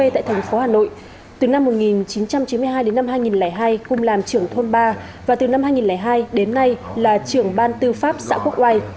từ năm một nghìn chín trăm chín mươi hai đến năm hai nghìn hai cung làm trưởng thôn ba và từ năm hai nghìn hai đến nay là trưởng ban tư pháp xã quốc hoa